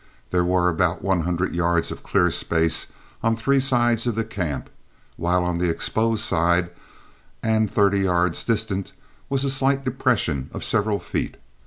There were about one hundred yards of clear space on three sides of the camp, while on the exposed side, and thirty yards distant, was a slight depression of several feet.